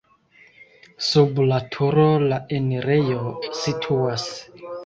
Sub la turo la enirejo situas.